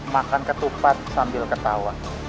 makan ketupat sambil ketawa